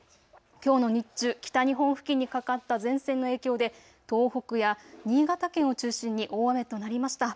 きょうの日中、北日本付近にかかった前線の影響で東北や新潟県を中心に大雨となりました。